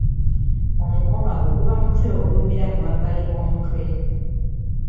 Omukomago guba mutwe ogulumira mu mabbali g’omutwe.